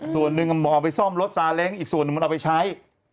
ส่วนหนึ่งอ๋อนไปซ่อมรถ๑๓นึงเอาไปใช้